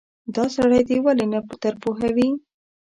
دا سړی دې ولې نه درپوهوې.